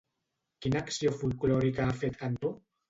Quina acció folklòrica ha fet Cantó?